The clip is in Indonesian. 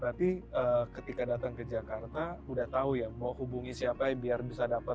berarti ketika datang ke jakarta udah tahu ya mau hubungi siapa biar bisa dapat